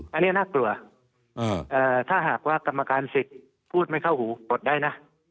อันนี้น่ากลัวถ้าหากว่ากรรมการสิทธิ์พูดไม่เข้าหูกดได้นะ